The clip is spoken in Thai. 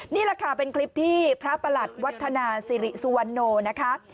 นี่แหละค่ะเป็นคลิปที่พระประหลัดวัฒนาสิริสุวรรณโนนะคะ